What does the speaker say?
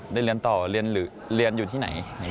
ได้เรียนต่อเรียนอยู่ที่ไหน